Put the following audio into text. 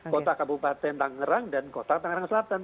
kota kabupaten tangerang dan kota tangerang selatan